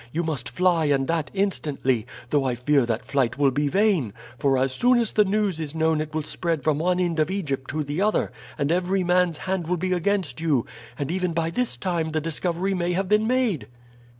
You must fly and that instantly, though I fear that flight will be vain; for as soon as the news is known it will spread from one end of Egypt to the other, and every man's hand will be against you, and even by this time the discovery may have been made."